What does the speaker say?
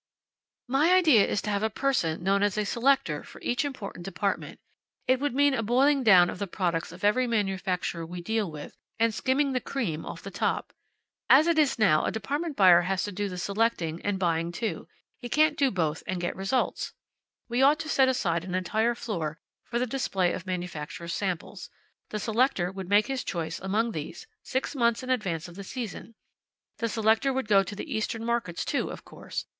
"My idea is to have a person known as a selector for each important department. It would mean a boiling down of the products of every manufacturer we deal with, and skimming the cream off the top. As it is now a department buyer has to do the selecting and buying too. He can't do both and get results. We ought to set aside an entire floor for the display of manufacturers' samples. The selector would make his choice among these, six months in advance of the season. The selector would go to the eastern markets too, of course.